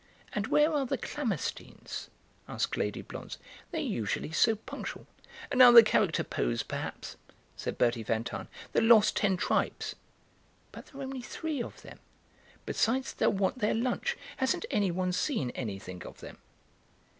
"And where are the Klammersteins?" asked Lady Blonze; "they're usually so punctual." "Another character pose, perhaps," said Bertie van Tahn; "'the Lost Ten Tribes.'" "But there are only three of them. Besides, they'll want their lunch. Hasn't anyone seen anything of them?"